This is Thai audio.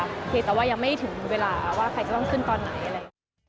โอเคแต่ว่ายังไม่ถึงเวลาว่าใครจะต้องขึ้นตอนไหนอะไรอย่างนี้